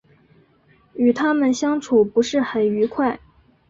与他们相处不是很愉快